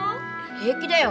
平気だよ。